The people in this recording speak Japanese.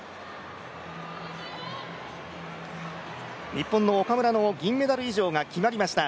日本の岡村の銀メダル以上が決まりました。